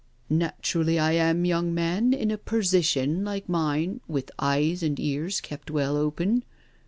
" Naturally I am, young man, in a persition like mine, with eyes and ears kept well open.